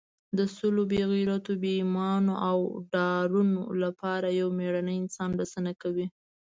د سلو بې غیرتو، بې ایمانو او ډارنو لپاره یو مېړنی انسان بسنه کوي.